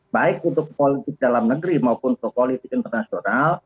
baik untuk politik dalam negeri maupun untuk politik internasional